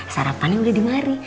sarapannya udah dimari